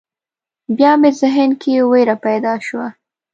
بیا مې ذهن کې وېره پیدا شوه.